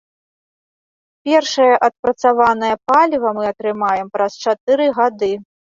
Першае адпрацаванае паліва мы атрымаем праз чатыры гады.